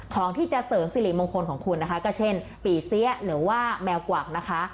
ของที่จะเสริมสิริมงคลของคุณนะคะก็เช่นปี่เสียหรือว่าแมวกวักนะคะ